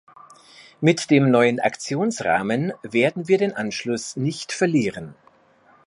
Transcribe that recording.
Mit dem neuen Aktionsrahmen werden wir den Anschluss nicht verlieren.